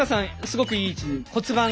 すごくいい位置に。